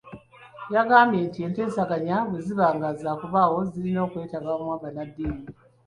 Yagambye nti enteeseganya bwe ziba zaakubaawo zirina okwetabamu bannaddiini.